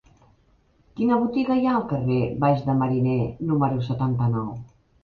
Quina botiga hi ha al carrer Baix de Mariner número setanta-nou?